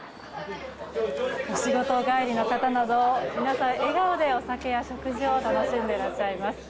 仕事の帰りの方など皆さん、笑顔でお酒や食事を楽しんでいらっしゃいます。